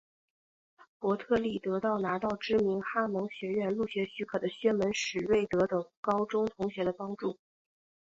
伯特利得到拿到知名哈蒙学院入学许可的薛门史瑞德等高中同学的帮助。